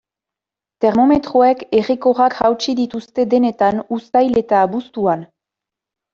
Termometroek errekorrak hautsi dituzte denetan uztail eta abuztuan.